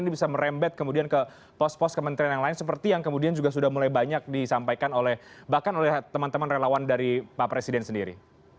ini bisa merembet kemudian ke pos pos kementerian yang lain seperti yang kemudian juga sudah mulai banyak disampaikan oleh bahkan oleh teman teman relawan dari pak presiden sendiri